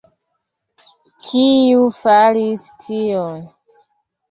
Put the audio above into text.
Kiu faris tion?